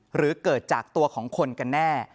หรือเกิดจากตัวของคนกันแน่